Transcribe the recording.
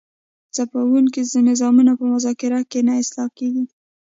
ځپونکي نظامونه په مذاکره نه اصلاح کیږي.